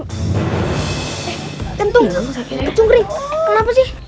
eh gentung kecung kering kenapa sih